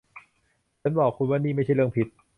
ฉันบอกคุณว่านี่ไม่ใช่เรื่องผิด